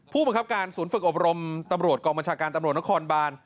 ผู้บังคับการศูนย์ฝึกอบรมตำรวจกองบัญชาการตำรวจนครบาน